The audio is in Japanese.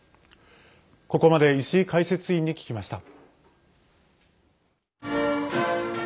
ここまで石井解説委員に聞きました。